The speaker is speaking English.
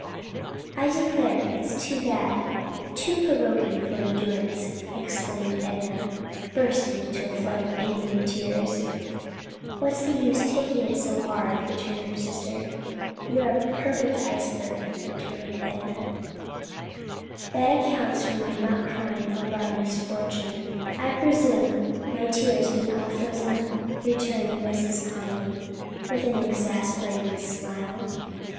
"I declare it's too bad! too provoking for endurance!" exclaimed Enna, bursting into a flood of angry tears. "What's the use of taking it so hard?" returned her sister. "You're a perfect iceberg," retorted Enna. "That accounts for my not crying over our misfortune, I presume; my tears being all frozen up," returned Mrs. Conly with an exasperating smile.